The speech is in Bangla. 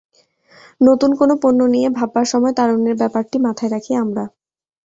নতুন কোনো পণ্য নিয়ে ভাববার সময় তারুণ্যের ব্যাপারটি মাথায় রাখি আমরা।